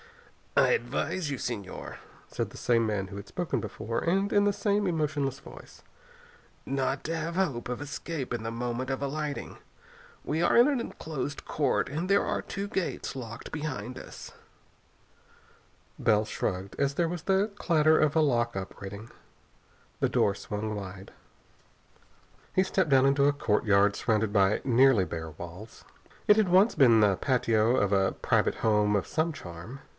"I advise you, Señor," said the same man who had spoken before, and in the same emotionless voice, "not to have hope of escape in the moment of alighting. We are in an enclosed court and there are two gates locked behind us." Bell shrugged as there was the clatter of a lock operating. The door swung wide. He stepped down into a courtyard surrounded by nearly bare walls. It had once been the patio of a private home of some charm.